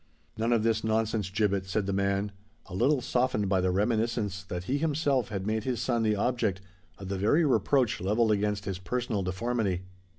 "None of this nonsense, Gibbet," said the man, a little softened by the reminiscence that he himself had made his son the object of the very reproach levelled against his personal deformity.